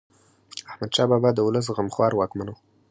احمد شاه بابا د ولس غمخوار واکمن و.